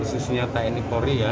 isinya tni polri